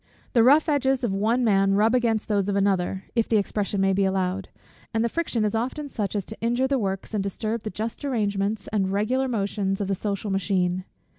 The rough edges of one man rub against those of another, if the expression may be allowed; and the friction is often such as to injure the works, and disturb the just arrangements and regular motions of the social machine.